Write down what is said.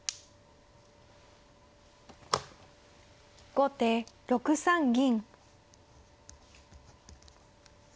後手６三銀。